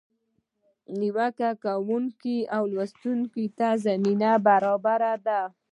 نیوکه کوونکي لوستونکي ته زمینه برابره ده.